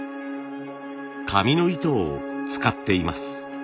紙の糸を使っています。